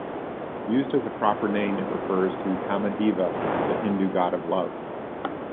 Used as a proper name it refers to Kamadeva, the Hindu god of Love.